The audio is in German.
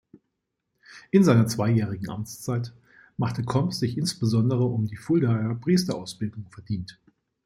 In seiner zweijährigen Amtszeit machte Komp sich insbesondere um die Fuldaer Priesterausbildung verdient.